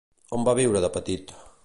On va viure de petit?